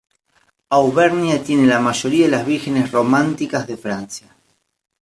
Auvernia tiene la mayoría de las vírgenes románicas de Francia.